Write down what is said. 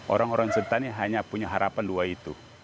orang orang sentani hanya punya harapan dua itu